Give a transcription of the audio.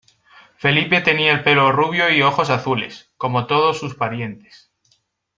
Felipe tenía el pelo rubio y ojos azules, como todos sus parientes.